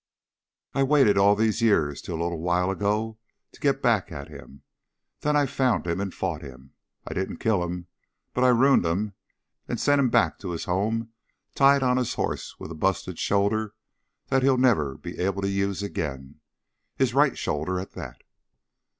I waited all these years till a little while ago to get back at him. Then I found him and fought him. I didn't kill him, but I ruined him and sent him back to his home tied on his hoss with a busted shoulder that he'll never be able to use again. His right shoulder, at that."